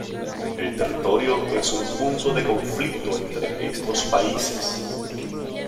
El territorio es un punto de conflicto entre estos países.